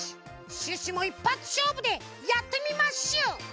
シュッシュもいっぱつしょうぶでやってみまッシュ！